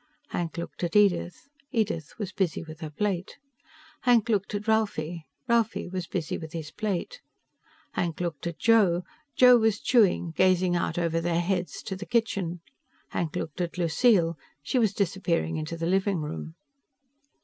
Hank looked at Edith; Edith was busy with her plate. Hank looked at Ralphie; Ralphie was busy with his plate. Hank looked at Joe; Joe was chewing, gazing out over their heads to the kitchen. Hank looked at Lucille; she was disappearing into the living room.